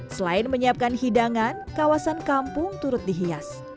selain menyiapkan hidangan kawasan kampung turut dihias